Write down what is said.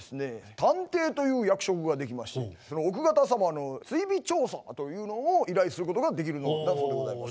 探偵という役職ができまして奥方様の追尾調査というのを依頼することができるのだそうでございます。